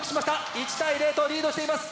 １対０とリードしています。